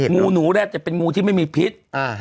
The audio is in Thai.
งูหนูแรดจะเป็นงูที่ไม่มีพิษ